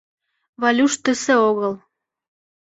Валюш тысе огыл.